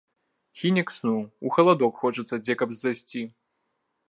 Хіне к сну, у халадок хочацца дзе каб зайсці.